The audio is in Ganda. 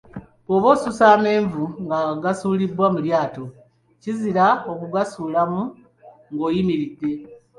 Bw'oba osusa amenvu nga gasuulibwa mu lyato, kizira okugasuulamu nga oyimiridde.